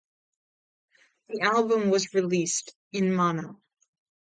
The album was released in mono.